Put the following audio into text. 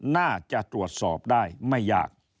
น่าจะตรวจสอบได้ไม่ยาก